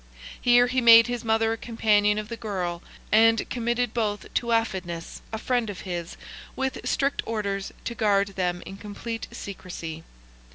Here he made his mother a companion of the girl, and committed both to Aphidnus, a friend of his, with strict orders to guard them in complete secrecy.